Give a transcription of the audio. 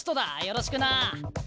よろしくな。